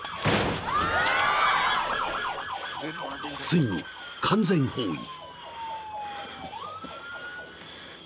［ついに完全包囲］